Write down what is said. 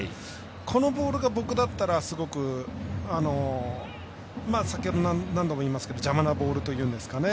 このボールが僕だったらすごく、何度も言いますけど邪魔なボールというんですかね。